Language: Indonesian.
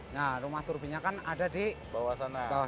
nah rumah turbinya kan ada di bawah sana